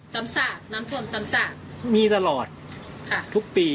กังก็พออยู่ได้